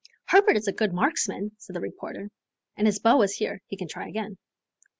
"Herbert is a good marksman," said the reporter, "and his bow is here. He can try again."